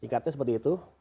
ingatnya seperti itu